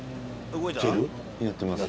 やってますね。